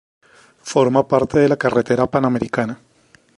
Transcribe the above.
Forma parte de la Carretera panamericana.